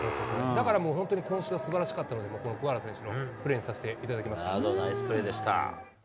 だからもう、本当に今週はすばらしかったので、この桑原選手のプレーにさせていナイスプレーでした。